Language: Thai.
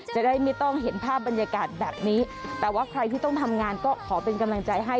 จะได้ไม่ต้องเห็นภาพบรรยากาศแบบนี้แต่ว่าใครที่ต้องทำงานก็ขอเป็นกำลังใจให้